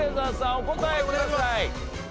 お答えください。